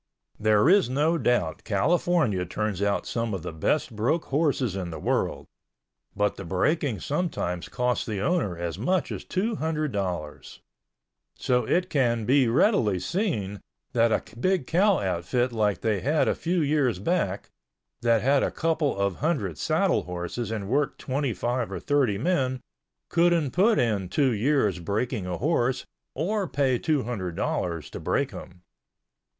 There is no doubt California turns out some of the best broke horses in the world, but the breaking sometimes costs the owner as much as two hundred dollars. So it can be readily seen that a big cow outfit like they had a few years back, that had a couple of hundred saddle horses and worked 25 or 30 men, couldn't put in two years breaking a horse or pay two hundred dollars to break him.